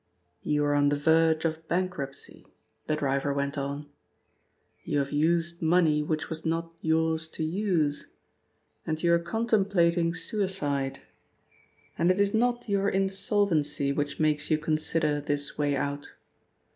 "You are on the verge of bankruptcy," the driver went on. "You have used money which was not yours to use, and you are contemplating suicide. And it is not your insolvency which makes you consider this way out.